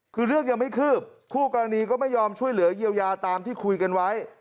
คือเรื่องยังไม่คืบคู่กรณีก็ไม่ยอมช่วยเหลือเยียวยาตามที่คุยกันไว้